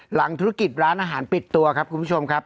หลังธุรกิจร้านอาหารปิดตัวครับคุณผู้ชมครับ